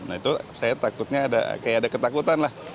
nah itu saya takutnya kayak ada ketakutan lah